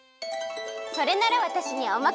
それならわたしにおまかシェル！